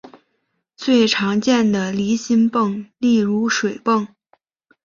最常见的离心泵例如水泵。